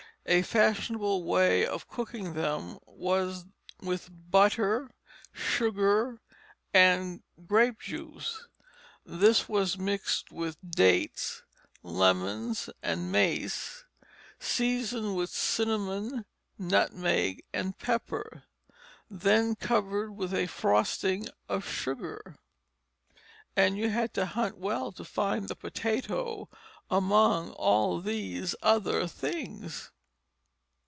A fashionable way of cooking them was with butter, sugar, and grape juice; this was mixed with dates, lemons, and mace; seasoned with cinnamon, nutmeg, and pepper; then covered with a frosting of sugar and you had to hunt well to find the potato among all these other things.